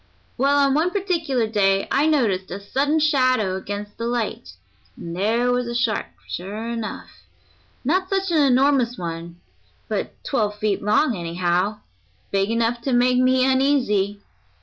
Well, on one particular day I noticed a sudden shadow against the light, and there was a shark sure enough; not such an enormous one, but twelve feet long anyhow big enough to make me uneasy.